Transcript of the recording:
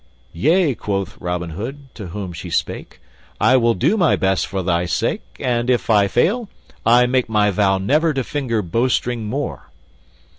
"Yea," quoth Robin Hood, to whom she spake, "I will do my best for thy sake, and, if I fail, I make my vow never to finger bowstring more."